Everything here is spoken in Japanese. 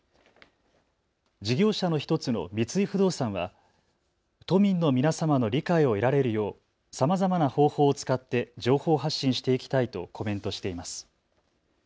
事業者の１つの三井不動産は、都民の皆様の理解を得られるようさまざまな方法を使って情報発信していきたいとコメントしています。